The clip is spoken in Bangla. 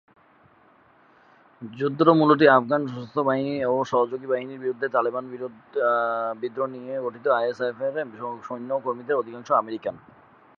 যুদ্ধটি মূলত আফগান সশস্ত্র বাহিনী ও সহযোগী বাহিনীর বিরুদ্ধে তালেবান বিদ্রোহ নিয়ে গঠিত; আইএসএএফ/আরএস সৈন্য ও কর্মীদের অধিকাংশই আমেরিকান।